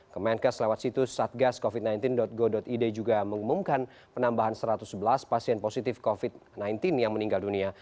kemenkes lewat situs satgascovid sembilan belas go id juga mengumumkan penambahan satu ratus sebelas pasien positif covid sembilan belas yang meninggal dunia